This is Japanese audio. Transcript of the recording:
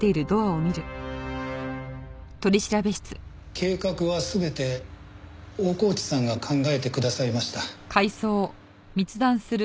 計画は全て大河内さんが考えてくださいました。